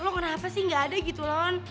lo kenapa sih gak ada gitu lon